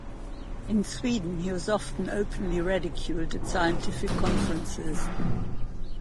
In Sweden he was often openly ridiculed at scientific conferences.